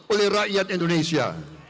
oleh rakyat indonesia